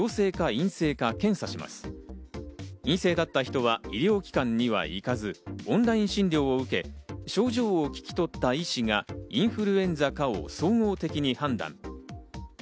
陰性だった人は医療機関には行かず、オンライン診療を受け、症状を聞き取った医師がインフルエンザかを総合的に判断。